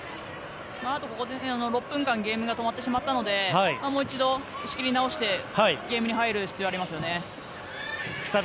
あとここで６分間ゲームが止まってしまったのでもう一度、仕切り直してゲームに入る必要があります。